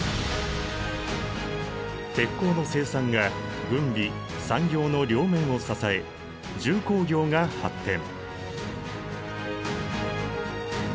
鉄鋼の生産が軍備・産業の両面を支え重工業が発展。